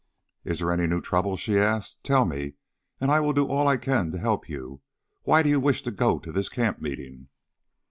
"Is there any new trouble?" she asked. "Tell me and I will do all I can to help you. Why do you wish to go to this camp meeting?"